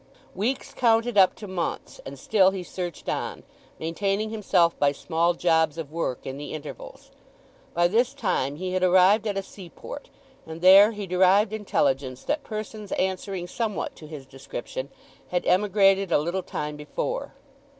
Weeks counted up to months, and still he searched on, maintaining himself by small jobs of work in the intervals. By this time he had arrived at a seaport, and there he derived intelligence that persons answering somewhat to his description had emigrated a little time before.